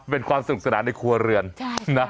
เป็นความสนุกสนานในครัวเรือนนะ